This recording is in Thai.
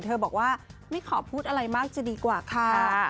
เธอบอกว่าไม่ขอพูดอะไรมากจะดีกว่าค่ะ